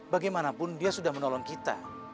bagaimanapun dia sudah menolong kita